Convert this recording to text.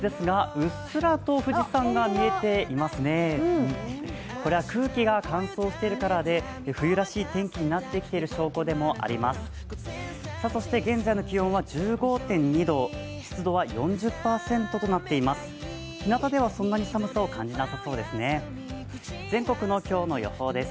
そして現在の気温は１５．２度湿度は４０％となっています。